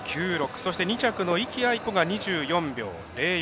そして、２着の壹岐あいこが２４秒０４。